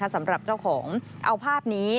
สำหรับเจ้าของเอาภาพนี้